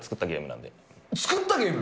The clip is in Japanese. なん作ったゲーム？